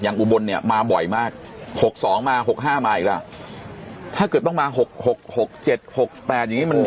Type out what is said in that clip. อุบลเนี่ยมาบ่อยมาก๖๒มา๖๕มาอีกแล้วถ้าเกิดต้องมา๖๖๖๗๖๘อย่างนี้มัน